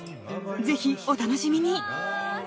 ぜひ、お楽しみに！